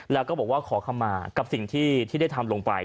แล้วก็บอกว่าขอคำมากับสิ่งที่ได้ทำลงไป